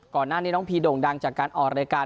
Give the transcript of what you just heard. ก่อนหน้านี้น้องพีโด่งดังจากการออกรายการ